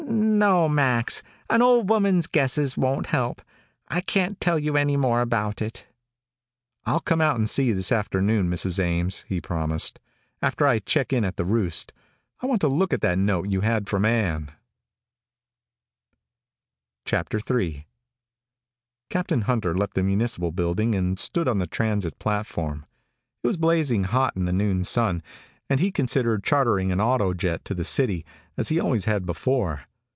"No, Max, an old woman's guesses won't help. I can't tell you any more about it." "I'll come out and see you this afternoon, Mrs. Ames," he promised, "after I check in at the Roost. I want to look at that note you had from Ann." III Captain Hunter left the municipal building and stood on the transit platform. It was blazing hot in the noon sun, and he considered chartering an autojet to the city, as he always had before.